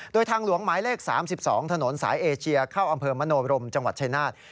โดยทางหลวงหมายเลข๓๒ถนนสายเอเชียเข้าอำเภอมโนบรมจังหวัดชายนาฏ